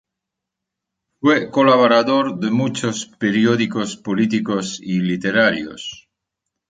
Fue colaborador de muchos periódicos políticos y literarios.